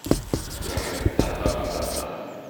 Fiḥel ṭaṭa, baṭaṭa!